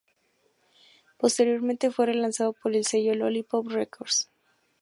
Posteriormente fue relanzado por el sello Lollipop Records.